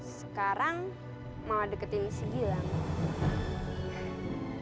sekarang malah deketin si gilang